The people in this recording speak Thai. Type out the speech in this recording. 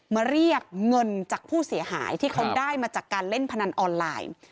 มาเรียกเงินจากผู้เสียหายที่เขาได้มาจากการเล่นพนันออนไลน์